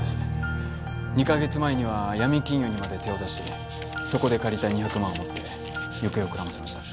２か月前には闇金融にまで手を出しそこで借りた２００万を持って行方をくらませました。